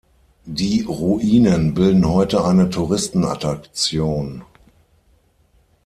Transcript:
Die Ruinen bilden heute eine Touristenattraktion.